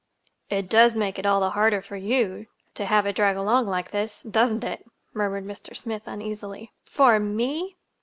"It does make it all the harder for you, to have it drag along like this, doesn't it?" murmured Mr. Smith uneasily. "For—ME?"